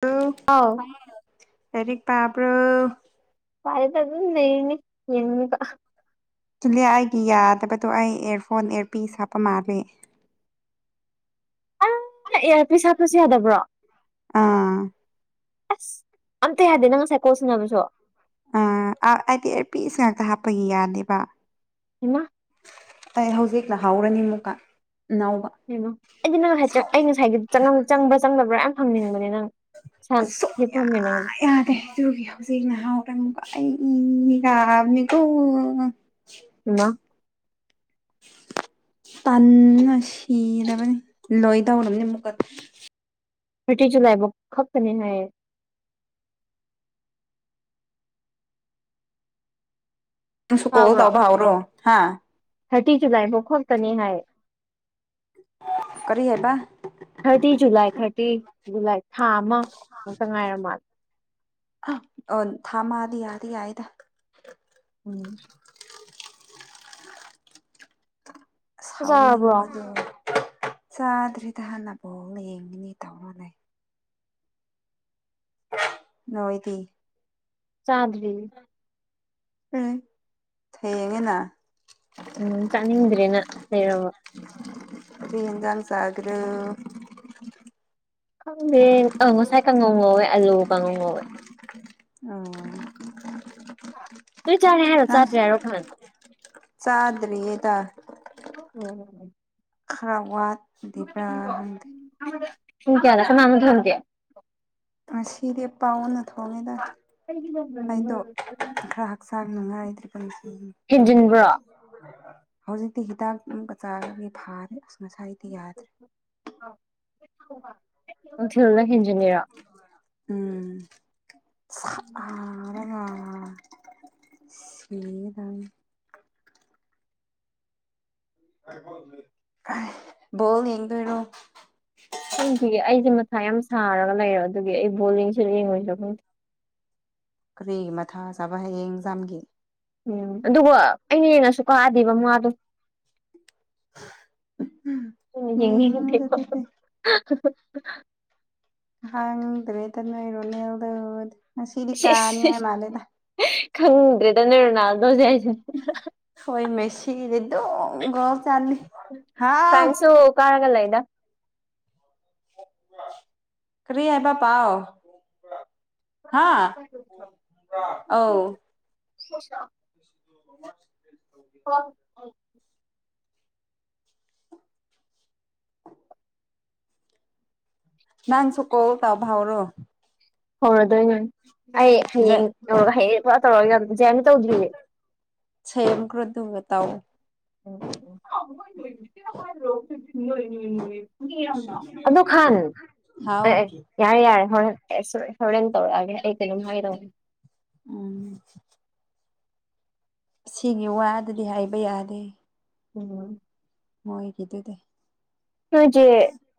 hello ꯑꯥꯎ ꯂꯥꯏꯔꯤꯛ ꯇꯥꯕꯔꯣ ꯁꯋꯥ꯭ꯏꯗ ꯑꯗꯨꯝ ꯂꯩꯔꯤꯅꯤ ꯌꯦꯟꯇ ꯆꯨꯂꯤꯌꯥ ꯑꯩꯗꯤ ꯌꯥꯗꯕꯗꯣ ꯑꯩ ꯏꯔꯐꯣꯟ ꯑꯦꯔꯄꯤꯁ ꯍꯥꯞꯄ ꯃꯥꯜꯂꯦ ꯑ ꯑꯦꯌꯥꯔ ꯄꯤꯁ ꯍꯥꯠꯄꯁꯨ ꯌꯥꯗꯕ꯭ꯔꯣ ꯑꯥ ꯑꯁ ꯑꯝꯇ ꯌꯥꯗꯦ ꯅꯪ ꯉꯁꯥꯏ ꯀꯣꯜꯁꯤꯟꯅꯕꯁꯨ ꯑ ꯍꯥꯏꯗꯤ ꯑꯦꯔꯄꯤꯁ ꯉꯥꯛꯇ ꯍꯥꯞꯄ ꯌꯥꯅꯦꯕ ꯍꯩꯃ ꯑꯩ ꯍꯧꯖꯤꯛꯅꯍꯥꯎꯔꯅꯤ ꯑꯃꯨꯛꯀ ꯅꯧꯕ ꯀꯩꯅꯣ ꯑꯩꯗꯤ ꯅ ꯉꯁꯥꯏ ꯁꯧ ꯑꯩ ꯉꯁꯥꯏꯒꯤꯪ ꯆꯪ ꯄꯨꯔꯥ ꯌꯥꯝ ꯍꯪꯅꯤꯡꯕꯅꯦ ꯅꯪ ꯆꯠ ꯍ ꯐ ꯃꯅꯒꯅ ꯨꯒꯤ ꯍ ꯍꯧꯖꯩꯅ ꯍꯥꯎꯗꯃꯨꯀ ꯑꯩꯒ ꯃꯤꯒꯣ ꯍꯃ ꯇꯟꯅ ꯁꯤꯔꯕꯅꯤ ꯂꯣꯏ ꯇꯧꯔꯅꯦ ꯑꯃꯨꯛꯀ ꯊꯥꯔꯇꯤ ꯖꯨꯂꯥꯏꯐ ꯈꯛꯇꯅꯦ ꯍꯥꯏꯌꯦ ꯁꯨ ꯀꯣꯜꯗꯕꯥꯎꯔꯣ ꯍꯥꯥ ꯊꯔꯇꯤ ꯖꯂꯥꯏꯕꯨ ꯈ ꯇꯅꯤ ꯍꯥꯏꯌꯦ ꯀꯔꯤꯍꯦꯕ ꯊꯥꯔꯇꯤ ꯖꯨꯂꯥꯏ ꯊꯥꯔꯇꯤ ꯖꯨꯂꯥꯏ ꯊꯥ ꯑꯃ ꯃꯨꯛꯇ ꯉꯥꯏꯔ ꯃꯥꯜꯂꯦ ꯑ ꯑ ꯊꯥꯃꯗꯤ ꯌꯥꯗꯤ ꯌꯥꯏꯗ ꯎꯝ ꯆꯥꯛ ꯆꯥꯔꯕ꯭ꯔꯣ ꯁꯥꯎꯅꯤꯡꯕꯗꯣ ꯆꯥꯗ꯭ꯔꯔꯤꯗ ꯍꯥꯟꯅꯕꯣꯛꯅ ꯌꯦꯡꯉꯅꯤ ꯇꯥꯎꯅꯅꯦ ꯅꯣꯏꯣꯏꯇ ꯆꯥꯟꯗꯕꯤ ꯎ ꯊꯩꯌꯦꯒꯦꯅꯥ ꯎꯝ ꯆꯥꯅꯤꯡꯗ꯭ꯔꯦꯅ ꯂꯩꯔꯕ ꯇꯟꯖꯥꯥꯡ ꯁꯥꯒꯔ ꯈꯪꯗꯦ ꯑ ꯉꯁꯥꯏ ꯀꯥꯡꯉꯧ ꯉꯧꯋꯦ ꯑꯥꯂꯨ ꯀꯥꯡꯉꯧ ꯉꯧꯋꯦ ꯑꯣ ꯂꯣꯏ ꯆꯥꯔꯦ ꯍꯥꯏꯔꯣ ꯆꯥꯗ꯭ꯔꯦ ꯍꯥꯏꯔꯣ ꯈꯥꯟꯅꯣ ꯆꯥꯗꯔꯤ ꯌꯦꯗ ꯎꯝ ꯈꯔ ꯋꯥꯠ ꯣ ꯊꯨꯝ ꯀꯌꯥ ꯅ ꯁꯨꯝ ꯑꯃ ꯊ ꯍꯨꯝ ꯀꯌꯥ ꯑ ꯁꯤꯔꯤ ꯑ ꯄꯥꯎꯅ ꯊꯣꯡꯉꯦꯗ ꯑꯩꯗꯣ ꯈ꯭ꯔꯔ ꯍꯛꯁꯥꯡ ꯅꯪꯉꯥꯏꯗ꯭ꯔꯤ ꯄ ꯍꯦꯟꯖꯤꯟꯕ꯭ꯔꯣ ꯍꯧꯖꯤꯛꯇꯤ ꯍꯤꯗꯥꯛ ꯆꯥꯔꯒꯤ ꯐꯥꯔꯦ ꯉꯁꯥꯏꯗꯤ ꯌꯥꯗ꯭ꯔꯦ ꯎ ꯎ ꯊꯤꯜꯅ ꯍꯈꯤꯖꯅꯤꯔ ꯎꯝ ꯑ ꯁꯤꯗꯅꯤ ꯣꯜ ꯌꯦꯡ ꯐꯔꯣ ꯈꯪꯗꯦ ꯑꯩꯁꯦ ꯃꯊꯥ ꯌꯥꯝ ꯁꯥꯔꯒ ꯂꯩꯔꯣ ꯑꯗꯨꯒꯤ ꯑꯩ ꯕꯣꯜꯂꯤꯡꯁꯨ ꯌꯦꯡꯉꯣꯏꯁꯨ ꯈꯪꯗꯦ ꯀꯔꯤ ꯃꯊꯥ ꯆꯥꯕ ꯍꯌꯦꯡꯖꯥꯝꯒꯤ ꯎꯝ ꯑꯗꯨꯒꯕꯨ ꯑꯩꯅ ꯌꯦꯡꯉꯁꯨ ꯀꯛꯑꯗꯤꯕꯃꯗꯣ ꯎ ꯌꯦꯡꯉꯨꯔꯁꯦ [unintelligible] ꯍꯥꯡ ꯇꯔꯤ ꯑꯗꯨꯅꯣꯏ ꯏꯔꯅꯤꯦꯜꯗ ꯉ ꯁꯤꯗꯤ ꯀꯥꯅꯤ ꯍꯥꯏꯏ ꯃꯥꯜꯂꯦꯗ ꯈꯪꯗ꯭ꯔꯔꯤꯗꯅꯣ ꯅ ꯑꯗꯨꯣ [unintelligible] ꯍ ꯆꯂꯤ ꯍꯥꯎ ꯗ ꯀꯔꯤ ꯍꯥꯏꯕ ꯄꯥꯎ ꯍꯥ ꯑꯧ [unintelligible] ꯁꯁꯥ [unintelligible] ꯍ ꯅꯪꯁꯨꯀꯣꯜ ꯇꯕꯥꯎꯔꯣ ꯍꯗ ꯑꯩ ꯍꯌꯦꯡ ꯇꯧꯔꯒ ꯍꯌꯦꯡ ꯄꯨꯔꯥ ꯇꯧꯔꯒꯁꯖꯦꯅ ꯇꯧꯗ꯭ꯔꯤꯌꯦꯦ ꯁꯦꯝꯒ꯭ꯔꯣꯗꯒ ꯇꯥꯎ ꯎ ꯊ ꯑꯗꯨ ꯈꯥꯟ ꯍꯥꯎ ꯑꯦ ꯑꯦ ꯌꯥꯔꯦ ꯌꯥꯔꯦ ꯍꯣꯔꯦꯟ ꯁ ꯁꯣꯣꯔꯦꯟ ꯇꯧꯑꯒꯦ ꯑꯦꯝ ꯍꯥꯏꯔ ꯎꯝ ꯁꯤꯒꯤ ꯋꯥꯗꯗꯤ ꯍꯥꯏꯕ ꯌꯥꯗꯦ ꯎꯝ ꯃꯣꯏꯒꯤꯗꯨꯗꯤ ꯅꯣꯏꯁꯦ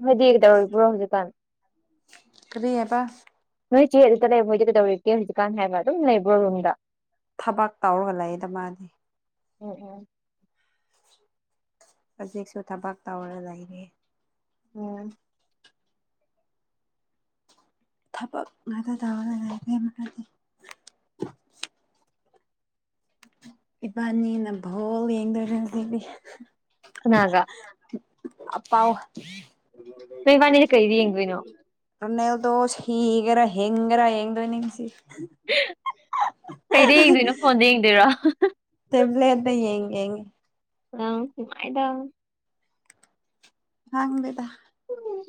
ꯍꯗꯤꯒ ꯇꯧꯔꯤꯕ꯭ꯔꯣ ꯍꯧꯖꯤꯛꯀꯥꯟ ꯀꯔꯤꯌꯦ ꯄ ꯅꯣꯏ ꯆꯦ ꯑꯗꯨꯗ ꯂꯩꯕ ꯃꯣꯏꯗꯤ ꯀꯩꯗꯧꯔꯒꯦ ꯍꯧꯖꯤꯛꯀꯥꯟ ꯍꯥꯏꯕ ꯑꯗꯨꯝ ꯂꯩꯕ꯭ꯔꯣ ꯔꯨꯝꯗ ꯊꯕꯛ ꯇꯧꯔꯒ ꯂꯩꯌꯦꯗ ꯃꯥꯗꯤ ꯎꯝ ꯎꯝ ꯍꯧꯖꯤꯛꯁꯨ ꯊꯕꯛ ꯇꯧꯔ ꯂꯩꯅꯤ ꯎꯝ ꯊꯕꯛ ꯉꯥꯛꯇ ꯇꯧꯔꯒ ꯂꯩ ꯂꯩꯃꯗꯤ ꯏꯕꯥꯅꯤꯅ ꯚꯣꯜ ꯌꯦꯡꯗꯣꯏꯔꯕꯤ ꯍꯅꯥꯒ ꯑꯄꯥꯥꯎ ꯅꯣꯏ ꯋꯥꯅꯤꯁ ꯀꯩꯗꯤ ꯌꯦꯡꯗꯣꯏꯅꯣ ꯅꯅꯦꯦꯜꯗꯣꯁ ꯍꯤꯒꯔ ꯍꯡꯔ ꯌꯦꯡꯗꯣꯅꯤꯡꯁꯤ ꯀꯩꯗ ꯌꯦꯡꯗꯣꯏꯅꯣ ꯐꯣꯟꯗ ꯌꯦꯡꯗꯣꯏꯔꯣ ꯇꯕꯂꯗ ꯌꯦꯡꯉ ꯌꯦꯡ ꯑ ꯐꯥꯏꯗ ꯍꯪꯕꯤꯗ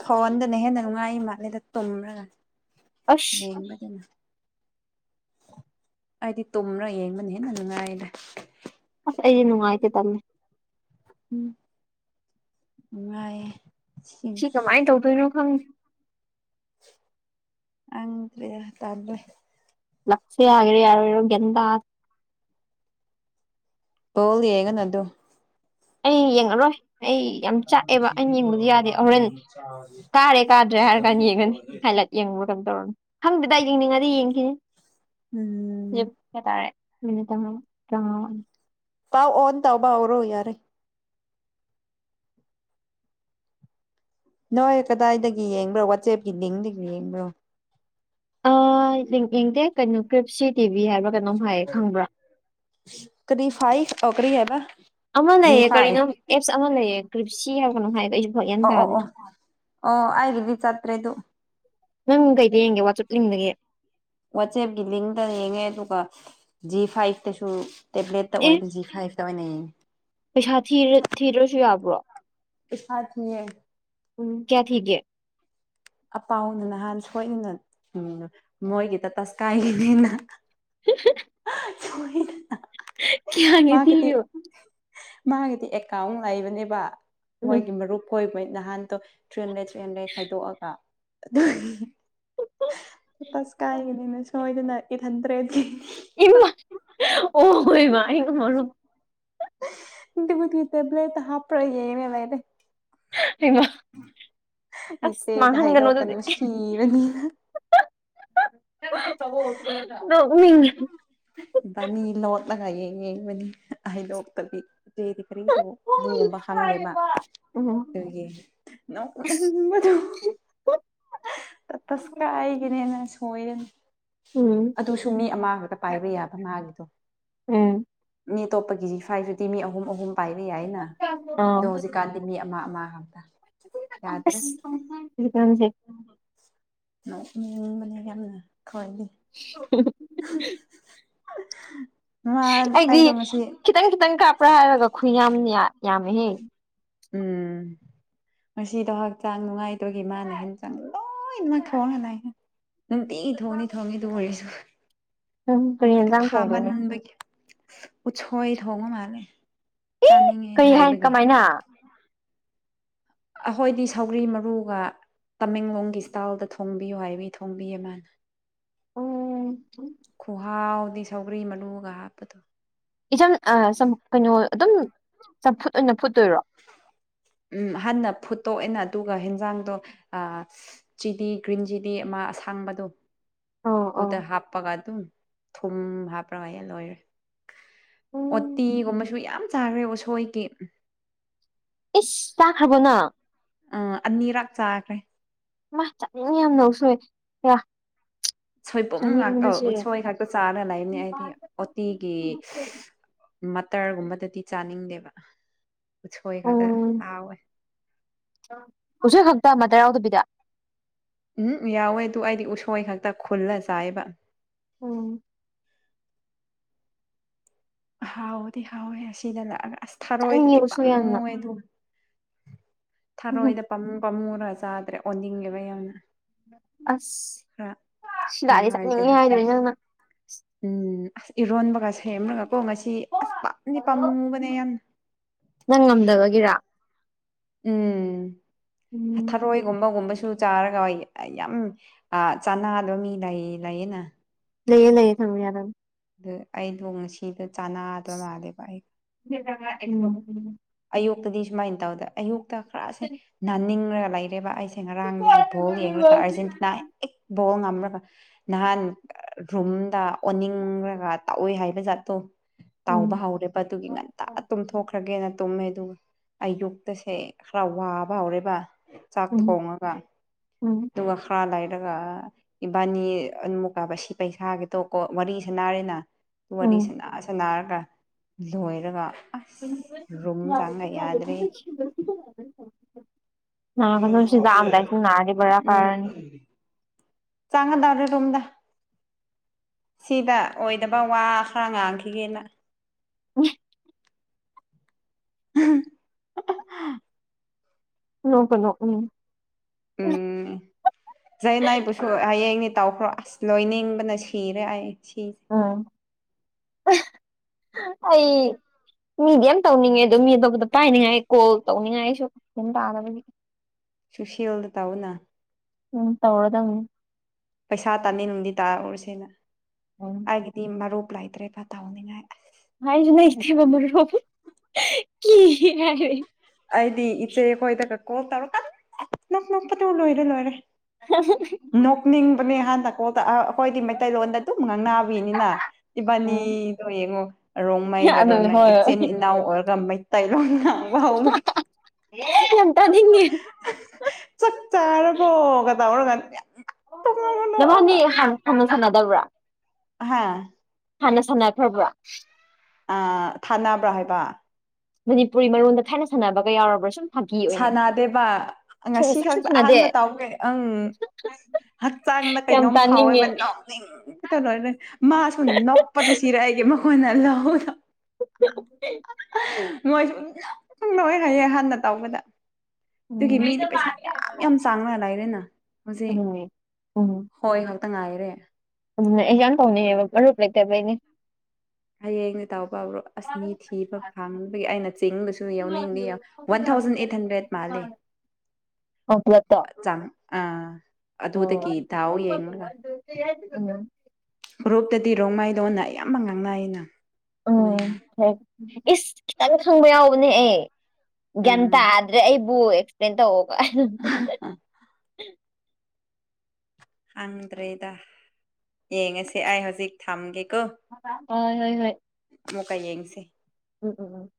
ꯍꯟꯗꯅꯦꯍꯦ ꯅꯪ ꯃꯥꯥꯏ ꯃꯥꯅꯦꯗ ꯇꯣ꯭ꯔꯒ ꯑꯁ ꯍꯗꯤꯅ ꯑꯩꯗꯤ ꯇꯨꯝ꯭ꯔꯥ ꯌꯦꯡꯕꯅꯤ ꯍꯦꯟꯅ ꯅꯨꯡꯉꯥꯏꯗ ꯑꯁ ꯑꯩ ꯅꯨꯡꯉꯥꯏꯇꯦ ꯇꯃꯦ ꯎꯝ ꯅꯨꯡꯉꯑ ꯁꯤ ꯀꯃꯥꯏꯅ ꯇꯧꯗꯣꯏꯅꯣ ꯈꯪꯦ ꯑꯪ ꯀ ꯇꯥ ꯂꯁ ꯍꯥꯏꯒ꯭ꯔꯤꯦ ꯌꯥꯎꯣ ꯌꯣ ꯗ ꯇꯣꯂꯤꯌꯦꯒ ꯅ ꯑꯗꯨꯣ ꯑꯩ ꯌꯦꯡꯉꯔꯣꯏ ꯑꯩ ꯌꯥꯝ ꯆꯥꯛꯑꯦꯕ ꯑꯩꯅ ꯌꯦꯡꯕꯗꯤ ꯌꯥꯗꯦ ꯍꯣꯔꯦꯟ ꯀꯥꯔꯦ ꯀꯥꯗ꯭ꯔꯦ ꯍꯥꯏꯔ ꯀꯥꯟꯗ ꯌꯦꯡꯉꯅꯤ ꯍꯥꯏꯂꯥꯏꯠ ꯌꯦꯡꯕ ꯩꯅꯣ ꯇꯧꯔ ꯈꯪꯗꯦꯗ ꯌꯦꯡꯅꯤꯡꯉꯗꯤ ꯌꯦꯡꯈꯤꯅꯤ ꯎꯝ ꯦꯇꯥꯔꯦ ꯃ ꯇꯉ ꯀꯉꯥꯅꯤ ꯇꯥꯎ ꯑꯣꯟ ꯇꯕ ꯑꯣꯏꯔꯣ ꯌꯥꯔꯦ ꯅꯣꯏ ꯀꯗꯥꯏꯗꯒꯤ ꯌꯦꯡꯕ꯭ꯔꯣ ꯋꯥꯆꯦꯞꯀꯤ ꯂꯤꯡꯗꯒꯤ ꯌꯦꯡꯕ꯭ꯔꯣ ꯑ ꯌꯦꯗꯦ ꯀꯩꯅꯨ ꯀ꯭ꯔꯤꯁꯤꯠ ꯇꯤꯚꯤ ꯍꯥꯏꯕ꯭ꯔꯥ ꯀꯩꯅꯣꯝ ꯍꯥꯏꯌꯦ ꯈꯪꯕ꯭ꯔꯥ ꯁꯨꯀꯔꯤꯦꯕ ꯑꯃ ꯂꯩꯌꯦ ꯀꯔꯤꯅꯣ ꯑꯦꯞꯁ ꯑꯃ ꯂꯩꯌꯦ ꯀ꯭ꯔꯤꯞꯁꯤ ꯀ ꯍꯕꯅꯣ ꯍꯥꯏꯥꯏ ꯑꯣ ꯑꯣ ꯑꯣ ꯑ ꯍꯥꯏꯔꯤꯕꯗꯤ ꯆꯥꯇ꯭ꯔꯦꯗꯨ ꯅꯪ ꯀꯩꯗ ꯌꯦꯡꯒꯦ ꯋꯥꯆꯠ ꯂꯤꯡꯒꯦ ꯋꯥꯆꯦꯞꯀꯤ ꯂꯤꯡꯗ ꯌꯦꯡꯉꯦ ꯑꯗꯨꯒ ꯖꯤ ꯐꯥꯏꯚꯇꯁꯨ ꯇꯦꯕ꯭ꯂꯦꯠꯇ ꯑꯣꯏꯅ ꯖꯤꯈꯥꯏ ꯇꯕꯅꯦ ꯁ ꯊꯤꯔ ꯊꯔꯁꯨꯏ ꯌꯥꯕ꯭ꯔꯣ ꯁꯥ ꯃꯤ ꯎꯝ ꯀꯌꯥ ꯊꯀꯦ ꯑꯄꯥꯎꯅ ꯅꯍꯥꯟ ꯁꯣꯏꯗꯅ ꯎ ꯃꯣꯏꯒꯤꯗ ꯇꯁꯀꯥꯏꯒꯤꯅꯤꯅ ꯁꯍꯤꯗ ꯀꯌꯥꯅꯤ ꯊꯣ ꯃꯥꯒꯤꯗꯤ ꯑꯦꯀꯥꯎꯟ ꯂꯩꯕꯅꯦꯕ ꯃꯣꯏ ꯎꯝ ꯀ ꯔ ꯍꯣꯏ ꯍꯣꯏ ꯅꯍꯥꯟꯗꯣ ꯇ꯭ꯔꯦꯟ ꯂꯩ ꯇ꯭ꯔꯦꯟ ꯂꯩ ꯈꯥꯏꯗꯣꯛꯑꯒ ꯇꯁ ꯀꯥꯏꯒꯅꯤꯅ ꯁꯣꯏꯗꯅꯀꯦ ꯈꯟꯗ꯭ꯔꯦꯗꯤ ꯏꯃ ꯑꯣ ꯍ ꯏꯃ ꯏꯉ ꯃꯔꯔ ꯕꯨꯒꯤ ꯇ꯭ꯂ ꯍꯥꯄ꯭ꯔ ꯌꯦꯦꯅꯦ ꯂꯩꯅꯦ ꯍ ꯏꯆꯦꯗ ꯃꯥꯡꯍꯟꯒꯅꯣ ꯑꯗꯨꯗꯤ ꯍꯥꯏꯗꯣꯛꯑꯀꯗꯣ ꯁꯤꯔꯅꯤꯅ ꯁꯣ ꯎꯝ ꯏꯕꯥꯅꯤ ꯂꯣꯠꯂꯒ ꯌꯦꯡ ꯌꯦꯡꯕꯅꯤ ꯍꯩꯗꯣꯛꯇꯕꯤ ꯗꯤ ꯈꯔꯔꯤꯖꯣ ꯉꯣꯕ ꯎꯝ ꯍꯥꯡꯅꯦꯕꯕꯣ ꯑ ꯇꯁ ꯀꯥꯏꯒꯤꯅꯦꯅꯁꯨ ꯍꯣꯏ ꯎꯝ ꯑꯗꯨꯁꯨ ꯃꯤ ꯑꯃꯈꯛꯇ ꯄꯥꯏꯕ ꯌꯥꯕ ꯃꯥꯒꯤꯗꯣ ꯎꯝ ꯃꯤ ꯑꯇꯣꯞꯄꯒꯤꯁꯤ ꯁ꯭ꯋꯥꯏꯗꯨꯗꯤ ꯃꯤ ꯑꯍꯨꯝ ꯑꯍꯨꯝ ꯄꯥꯏꯕ ꯌꯥꯏꯅ ꯑꯥ ꯑꯗꯣ ꯑꯁ ꯍꯧꯖꯤꯛꯀꯥꯟꯗꯤ ꯃꯤ ꯑꯃ ꯑꯃ ꯍꯥꯏꯇ ꯌꯥꯗ꯭ꯔꯦ ꯍꯧꯖꯤꯛꯀꯥꯟꯁꯦ ꯎꯝ ꯃꯅꯦ ꯀ ꯍ [unintelligible] ꯑꯩꯗꯤ ꯑꯩꯗꯣ ꯉꯁꯤ ꯈꯤꯇꯪ ꯈꯤꯇꯪ ꯀꯥꯞꯄ꯭ꯔꯥ ꯍꯥꯏꯔꯒ ꯈꯨ ꯌꯥꯝꯅꯤ ꯌꯥꯃꯤꯍꯦ ꯎꯝ ꯉꯗ ꯍꯛꯆꯥꯡ ꯅꯨꯡꯉꯥꯏꯇꯕꯒꯤ ꯃꯥꯅ ꯍꯦꯟꯖꯥꯡ ꯂꯣꯏꯅꯃꯛ ꯈꯋꯥ ꯍꯥꯏꯅꯏ ꯅꯨꯡꯇꯤ ꯊꯣꯡꯅꯤ ꯊꯣꯡꯅꯤꯗꯨ ꯑꯣꯏꯔꯁꯨ ꯅꯪ ꯀꯔꯤ ꯃꯣꯏ ꯌꯦꯟꯖꯥꯡ ꯐꯥꯃꯥꯟ ꯊꯣꯡꯗꯣꯏꯅꯣ ꯅꯕ ꯀ ꯊꯣꯏ ꯊꯣꯡꯉ ꯃꯥꯅꯦꯦ ꯑꯦ ꯀꯩ ꯍꯥꯏꯅꯤ ꯀꯃꯥꯏꯅ ꯑꯩꯈꯣꯏꯗꯤ ꯁꯧꯔꯤ ꯃꯔꯨꯒ ꯇꯃꯦꯡꯂꯣꯡꯒꯤ ꯏꯁꯇꯥꯥꯏꯜꯗ ꯊꯣꯡꯕꯤꯌꯨ ꯍꯥꯏꯕꯤ ꯊꯣꯡꯕꯤꯌꯦ ꯃꯥꯅ ꯎꯝ ꯈꯨꯍ ꯍꯥꯎꯗꯤ ꯁꯧꯒ꯭ꯔꯤ ꯃꯂꯨꯒ ꯍꯥꯞꯄꯗꯣ ꯏꯝ ꯑ ꯀꯩꯅꯣ ꯑꯗꯨꯝ ꯆꯝꯐꯨꯠ ꯑꯣꯏꯅ ꯐꯨꯠꯇꯣꯏꯔꯣ ꯎꯝ ꯍꯥꯟꯅ ꯐꯨꯠꯇꯣꯛꯑꯅ ꯑꯗꯨꯒ ꯍꯦꯟꯖꯥꯡꯗꯣ ꯆꯤꯂꯤ ꯒ꯭ꯔꯤꯟ ꯆꯤꯂꯤ ꯑꯃ ꯑꯁꯥꯡꯕꯗꯣ ꯑꯧ ꯇꯨ ꯑꯧ ꯇ ꯍꯥꯞꯄꯒ ꯇꯨ ꯊꯨꯝ ꯍꯥꯞꯄ꯭ꯔ ꯍꯥꯏꯌꯦ ꯂꯣꯏꯔꯦ ꯎꯝ ꯑꯣꯠꯇꯤꯒꯨꯝꯕꯁꯨ ꯌꯥꯝ ꯆꯥꯈ꯭ꯔꯦ ꯎꯁꯣꯏꯒꯤ ꯏꯁ ꯇꯥꯛ ꯍꯕꯅ ꯑ ꯑꯅꯤꯔꯛ ꯆꯥꯈ꯭ꯔꯦ ꯃꯥ ꯆꯠꯅꯤꯡ ꯌꯥꯝ ꯅꯧ ꯁꯣꯏꯦ ꯌꯥ ꯁꯣꯏꯕꯨꯝ ꯉꯥꯛꯇ ꯆꯥꯅꯤꯡꯕꯅ ꯑ ꯁꯤꯔꯦ ꯎꯁꯣꯏ ꯈꯥꯛꯛꯇ ꯆꯥꯅ ꯂꯩꯕꯅꯤ ꯑꯩꯗꯤ ꯑꯣꯇꯤꯒꯤ ꯃꯇꯇꯔꯒꯨꯝꯕꯗꯗꯤ ꯆꯥꯅꯤꯡꯗꯦꯕ [unintelligible] ꯎꯁꯣꯏ ꯈꯛꯇ ꯑꯋꯦ ꯍꯧꯖꯤꯛ ꯈꯛꯇ ꯑꯃꯗ ꯌꯥꯎꯗꯕꯤꯗ ꯎꯝ ꯌꯥꯎꯋꯦ ꯑꯗꯨ ꯑꯩꯗꯤ ꯎꯁꯣꯏ ꯈꯛꯇ ꯈꯨꯜꯂ ꯆꯥꯏꯕ ꯎꯝ ꯍꯥꯎꯗꯤ ꯍꯥꯎꯦ ꯍꯁꯤꯗꯂꯒ ꯑꯁ ꯊꯥꯔꯣꯏꯗꯗꯤ ꯆꯥꯅꯤꯡꯉꯦꯕꯁꯨ ꯌꯥꯝꯅ ꯄꯥꯝꯃꯣꯏ ꯑꯗꯨ ꯊꯔꯣꯏꯅ ꯄꯝꯃꯨ ꯄꯥꯝꯃꯨ ꯈꯔ ꯆꯥꯗ꯭ꯔꯦ ꯑꯣꯟꯅꯤꯡꯂꯦꯕ ꯌꯥꯝꯅ ꯑꯁ ꯈꯔ ꯁꯤꯂꯥꯔꯤ ꯅꯨꯡꯉꯥꯏꯇꯦ ꯆꯠꯅꯤꯡꯉꯤ ꯍꯥꯏꯗꯣꯏ ꯍꯛꯆꯥꯡ ꯅꯪꯅ ꯎꯝ ꯏꯔꯣꯟꯕꯒ ꯁꯦꯝꯕ꯭ꯔꯒꯀꯣ ꯉꯁꯤ ꯑꯁ ꯄꯥꯝꯅꯤ ꯄꯥꯝꯅꯤꯡꯉꯨꯕꯅꯦ ꯌꯥꯝꯅ ꯅꯪ ꯉꯝꯗꯕꯒꯤꯔ ꯎꯝ ꯍ ꯎꯝ ꯊꯔꯣꯏꯒꯨꯝꯕ ꯒꯨꯝꯕ ꯨ ꯆꯥꯔꯒ ꯌꯥꯝ ꯆꯥꯅꯥꯗꯣ ꯃꯤ ꯂꯩ ꯂꯩꯌꯦꯅ ꯂꯩꯌꯦ ꯂꯩꯌꯦ ꯊꯝ ꯌꯥꯔꯝ ꯑꯗꯨ ꯑꯩꯗꯣ ꯉꯁꯤꯗ ꯆꯥꯅꯥ ꯑꯊ ꯃꯥꯦ ꯄꯏ ꯎꯝ ꯎꯝ ꯑꯌꯨꯛꯇꯗꯤ ꯁꯨꯃꯥꯏꯅ ꯇꯧꯗ ꯑꯌꯨꯛ ꯈꯔꯥꯁꯦ ꯅꯥꯅꯤꯡ ꯂꯥꯏꯔꯦꯕꯕꯥ ꯑ ꯉꯔꯥꯡꯗꯒꯤ ꯚꯣꯜ ꯌꯦꯡꯂꯒ ꯑꯥꯔꯖꯦꯟꯇꯤꯅꯥ ꯍ ꯕꯣꯣꯡ ꯉ ꯅꯍꯥꯟ ꯔ꯭ꯔꯨꯝꯝ ꯗ ꯑꯣꯟꯅꯤꯡꯈꯒ ꯇꯥꯛꯑꯣꯏ ꯍꯥꯏꯕ ꯖꯥꯠꯦ ꯣ ꯇꯥꯎꯕ ꯎꯝ ꯍꯧꯔꯦꯕ ꯑꯗꯨꯒꯤ ꯉꯟꯇꯥ ꯇꯨꯝꯊꯣꯛꯈ꯭ꯔꯒꯦꯅ ꯑꯗꯨꯒ ꯑꯌꯨꯛꯇꯁꯦ ꯈꯔ ꯋꯥꯕ ꯍꯧꯔꯦꯕ ꯆꯥꯛ ꯎꯝ ꯊꯣꯡꯉꯒ ꯎꯝ ꯇꯒ ꯈꯔ ꯂꯥꯏ ꯍꯥꯏꯔꯒ ꯏꯕꯥꯅꯤ ꯑꯃꯨꯛꯀꯥꯕ ꯁꯤ ꯄꯩꯁꯥꯒꯤꯦ ꯇꯣꯀꯣ ꯋꯥꯔꯤꯁ ꯅꯥꯔꯦꯅ ꯋꯥꯔꯤ ꯎꯝ ꯁꯅꯔ ꯂꯣꯏꯔꯒ ꯑꯁ ꯔꯨꯝ ꯕ ꯆꯪꯉ ꯌꯥꯗ꯭ꯔꯦ ꯅꯥꯔꯗꯤ ꯕꯦꯔꯥ ꯎꯝ ꯀꯥꯔꯅꯤ ꯆꯥꯡ ꯔꯦ ꯇꯣꯝꯗ ꯁꯤꯗ ꯑꯣꯏꯗꯕ ꯋꯥ ꯈꯔ ꯉꯥꯡꯈꯤꯒꯦꯅ ꯎ [unintelligible] ꯂꯣ ꯀꯅꯣ ꯎꯝ ꯎꯝ ꯆꯏꯅꯥ ꯄꯁꯣ ꯍꯥꯏ ꯇꯧꯈ꯭ꯔꯣ ꯑꯁ ꯂꯣꯏꯅꯤꯡꯕꯅ ꯁꯤꯔꯦ ꯑꯩ ꯁꯤꯔꯤ ꯎꯝ ꯑꯩ ꯃꯤꯗꯤ ꯑ ꯇꯧꯅꯤꯡꯉꯦ ꯑꯗꯨ ꯃꯤ ꯑꯇꯣꯞꯄꯗ ꯄꯥꯏꯅꯤꯡꯉꯥꯏ ꯀꯣꯜ ꯇꯧꯅꯤꯡꯉꯥꯏ ꯑꯩꯁꯨ ꯑꯗꯨꯝ ꯇꯥꯗꯅꯕꯅꯤ ꯁꯨꯁꯤꯜꯗ ꯇꯥꯎꯅ ꯎꯝ ꯇꯧꯔꯗꯧ ꯄꯩꯁꯥ ꯇꯥꯅꯤ ꯅꯨꯡꯗꯤ ꯇꯥꯔꯛꯎꯔꯤꯁꯦꯅ ꯎꯝ ꯍꯥꯏꯗꯤ ꯃꯔꯔꯨꯞ ꯭ꯂꯥꯏꯇ꯭ꯔꯦꯕ ꯇꯥꯎꯅꯤꯡꯉꯥꯏ ꯍꯥꯏꯥꯏꯁꯨꯅ ꯏꯦ ꯃꯔꯄ ꯑꯩꯗꯤ ꯏꯆꯦꯣꯣꯏꯗ ꯀ ꯀꯣ ꯀ ꯅꯅꯄ ꯂꯣꯏꯔꯦ ꯂꯣꯏꯔꯦ ꯅꯣꯛꯅꯤꯡ ꯍꯥꯟꯅꯀꯣꯗ ꯑꯩꯈꯣꯏꯗꯤ ꯃꯩꯇꯩꯂꯣꯟꯗ ꯑꯗꯨꯝ ꯉꯥꯡꯅꯥꯕꯤꯅꯤꯅ ꯎꯝ ꯏꯤꯕꯥꯅꯤꯗꯣ ꯌꯦꯡꯉꯣ ꯔꯣꯡꯃꯩ ꯑꯗꯨ ꯀꯔꯣꯏ ꯃꯩ ꯍꯣꯏ ꯏꯆꯤꯟ ꯏꯅꯥꯎ ꯑꯣꯏꯔꯒ ꯃꯩꯇꯩꯂꯣꯟꯅ ꯌꯥꯝ ꯇꯥꯅꯤꯡꯉꯦ ꯆꯛ ꯆꯔꯕꯣ ꯀ [unintelligible] ꯅꯕꯥꯟꯅꯤꯥ ꯍꯥꯟꯅ [unintelligible] ꯁꯥꯟꯅꯗꯕ꯭ꯔꯥ ꯍꯥꯥ ꯍꯥꯟꯅ ꯁꯥꯟꯅꯈ꯭ꯔꯕ꯭ꯔ ꯑ ꯊꯥꯅꯕ꯭ꯔꯥ ꯍꯥꯏꯕ ꯃꯅꯤꯄꯨꯔꯤ ꯃꯔꯣꯟꯗ ꯊꯥꯏꯅ ꯁꯥꯟꯅꯕꯒ ꯌꯥꯎꯔꯕ꯭ꯔꯥ ꯁꯨꯝ ꯐꯥꯒꯤ ꯑꯣꯏꯅ ꯁꯥꯟꯅꯗꯦꯕ ꯉꯁꯤ ꯁꯨꯡꯁꯥꯟ ꯈꯛꯇ ꯁꯥꯟꯅꯗꯦ ꯑꯍꯥꯟꯕ ꯇꯧꯕꯅꯦ ꯑꯪ ꯍꯛꯆꯥꯡꯗ ꯌꯥꯝ ꯀꯩꯅꯣꯝ ꯇꯥꯅꯤꯡꯉꯦ ꯐꯥꯎꯋꯦꯕ ꯅꯣꯛꯅꯤꯡ ꯀꯩꯇꯧꯅꯣ ꯃꯥꯁꯨ ꯅꯣꯛꯄꯗ ꯁꯤꯔꯦ ꯑꯩꯒꯤ ꯀꯣꯟꯅ ꯂꯍꯧꯂꯣ [unintelligible] ꯃꯣꯏꯁꯨ [unintelligible] ꯍꯥꯏꯌꯦ ꯍꯥꯟꯅ ꯇꯧꯕꯗ ꯑꯗꯨꯒꯤ ꯎꯝ ꯃꯤꯗꯤ ꯄꯩꯁꯥ ꯃꯌꯥꯝ ꯃꯌꯥꯝ ꯆꯪꯂꯒ ꯂꯩꯔꯦꯅ ꯑꯗꯨꯅꯦ ꯎꯝ ꯇ ꯉꯥꯏꯔꯦ ꯎꯝ ꯑꯩ ꯌꯥꯝꯥꯟ ꯇꯧꯅꯤꯡꯉꯦꯕ ꯃꯔꯨꯞ ꯂꯩꯇꯕꯩꯅꯦ ꯍꯌꯦꯡꯗꯤ ꯇꯥꯎꯕ ꯄꯥꯕ꯭ꯔꯣ ꯑꯁ ꯃꯤ ꯊꯤꯕ ꯐꯪꯕꯒꯤ ꯑꯩꯅ ꯆꯤꯡꯕꯁꯨ ꯌꯥꯎꯅꯤꯡꯗ ꯋꯥꯟ ꯊꯥꯎꯖꯟ ꯑꯩꯠ ꯍꯟꯗ꯭ꯔꯦꯗ ꯃꯥꯜꯂꯤ ꯑꯣ ꯄꯨꯂꯞꯇꯣ ꯑꯥ ꯑꯗꯨꯗꯒꯤ ꯗꯥꯎ ꯌꯦꯡꯂꯒ ꯑꯣ ꯒ꯭ꯔꯨꯞꯇꯗꯤ ꯔꯣꯡꯃꯥꯏꯗꯧꯅ ꯑꯌꯥꯝꯕ ꯉꯥꯡꯅꯩꯅ [unintelligible] ꯎꯝ ꯍꯣꯏ ꯏꯁ ꯈꯤꯇꯪ ꯈꯪꯕ ꯌꯥꯎꯕꯅꯦ ꯑꯦ ꯒ꯭ꯌꯥꯟ ꯎꯝ ꯇꯥꯗ꯭ꯔꯦ ꯑꯩ ꯕꯨ ꯑꯦꯛꯁꯄ꯭ꯂꯦꯟ ꯇꯧ [unintelligible] ꯈꯪꯗ꯭ꯔꯦꯗ ꯌꯦꯡꯉꯁꯤ ꯑꯩ ꯍꯧꯖꯤꯛ ꯊꯝꯒꯦꯀꯣ ꯑ ꯍꯣꯏ ꯍꯣꯏ ꯑꯃꯨꯛꯀ ꯌꯦꯡꯁꯦ ꯎꯝ ꯎꯝ ꯎꯝ